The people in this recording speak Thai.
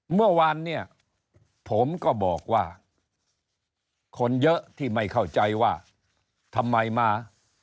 เมื่อวานเนี่ยผมก็บอกว่าคนเยอะที่ไม่เข้าใจว่าทำไมมา